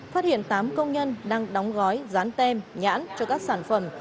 phát hiện tám công nhân đang đóng gói rán tem nhãn cho các sản phẩm